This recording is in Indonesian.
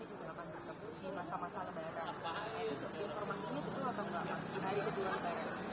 ini informasi ini betul atau enggak pak